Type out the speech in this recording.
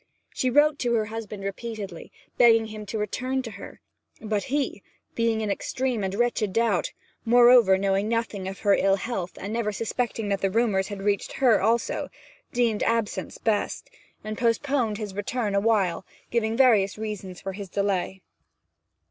She wrote to her husband repeatedly, begging him to return to her; but he, being in extreme and wretched doubt, moreover, knowing nothing of her ill health, and never suspecting that the rumours had reached her also, deemed absence best, and postponed his return awhile, giving various good reasons for his delay.